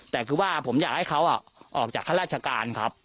แต่คือว่าผมอยากให้เขาออกจากข้าราชการครับ